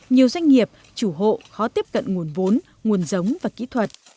nhiều doanh nghiệp chủ hộ khó tiếp cận nguồn vốn nguồn giống và kỹ thuật